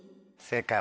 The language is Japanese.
正解！